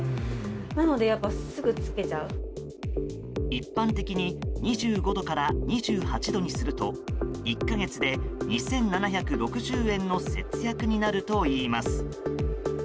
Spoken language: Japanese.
一般的に２５度から２８度にすると１か月で２７６０円の節約になるといいます。